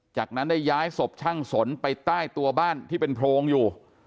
จากนั้นได้ย้ายศพช่างสนไปใต้ตัวบ้านที่เป็นโพรงอยู่